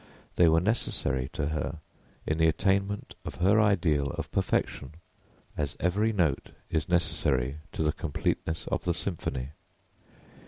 They were necessary to her in the attainment of her ideal of perfection, as every note is necessary to the completeness of the symphony.